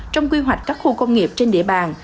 trong quy hoạch các khu công nghiệp trên địa bàn